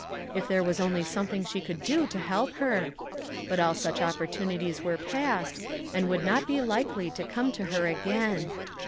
If there was only something that she could do to help her ! But all such opportunities were past, and would not be likely to come to her again.